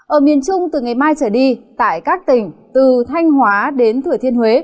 ở miền trung từ ngày mai trở đi tại các tỉnh từ thanh hóa đến thừa thiên huế